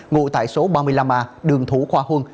ngụ tại số ba mươi năm a đường thủ khoa huân